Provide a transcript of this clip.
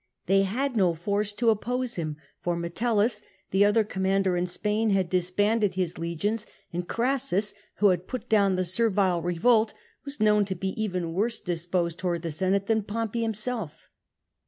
They had no force to oppose him, for Metelliis, the other com mander in Spain, had disbanded his legions, and Orassus, who had put down the Servile revolt, was known to be :aven worse disposed toward the Senate than Pompey himself.